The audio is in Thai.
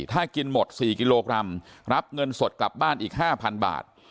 ถ้ากินหมด๔กิโลกรัมรับเงินสดกลับบ้านอีก๕๐๐บาท